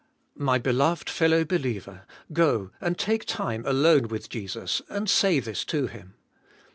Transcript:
My beloved fellow believer, go, and take time alone with Jesus, and say this to Him.